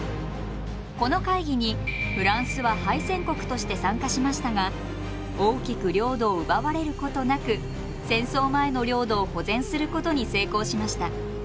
この会議にフランスは敗戦国として参加しましたが大きく領土を奪われることなく戦争前の領土を保全することに成功しました。